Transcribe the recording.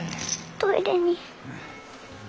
トイレに。